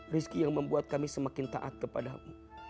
rizki yang membuat kami semakin taat kepadamu